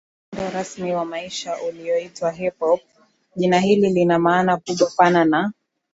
Mtindo rasmi wa maisha ulioitwa Hip Hop Jina hili lina maana kubwa pana na